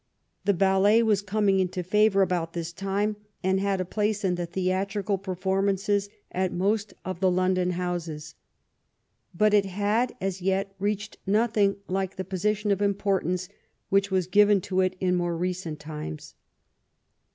The ballet was coming into favor about this time, and had a place in the theatrical performances at most of the London houses. But it had as yet reached nothing like the position of importance which was given to it in more recent times.